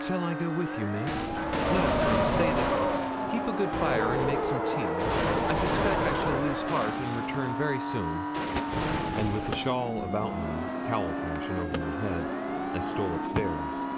'Shall I go with you, Miss?' 'No, Quince; stay there; keep a good fire, and make some tea. I suspect I shall lose heart and return very soon;' and with a shawl about me, cowl fashion, over my head, I stole up stairs.